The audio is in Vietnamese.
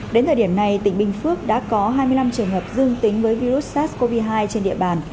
đến thời điểm này tỉnh bình phước đã có hai mươi năm trường hợp dương tính với virus sars cov hai trên địa bàn